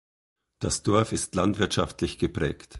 Das Dorf ist landwirtschaftlich geprägt.